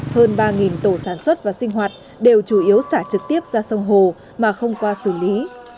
hơn ba tổ sản xuất và sinh hoạt đều chủ yếu xả trực tiếp ra sông hồ mà không qua xử lý